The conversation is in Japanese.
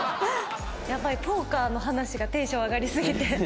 ポーカーの話がテンション上がりすぎて。